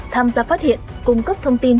tham gia phát hiện cung cấp thông tin